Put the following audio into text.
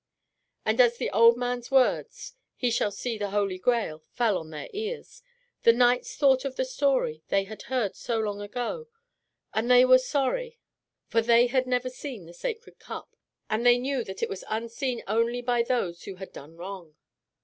And as the old man's words, "He shall see the Holy Grail," fell on their ears, the knights thought of the story they had heard so long ago, and they were sorry, for they had never seen the Sacred Cup, and they knew that it was unseen only by those who had done wrong.